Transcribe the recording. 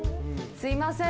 すいません。